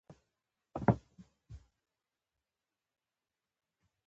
د لېوه بچی د پلار په څېر لېوه وي